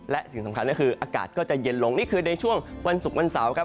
และสิ่งสำคัญก็คืออากาศก็จะเย็นลงนี่คือในช่วงวันศุกร์วันเสาร์ครับ